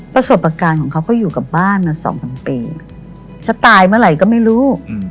ประสบการณ์ของเขาก็อยู่กับบ้านมา๒๓ปีจะตายเมื่อไหร่ก็ไม่รู้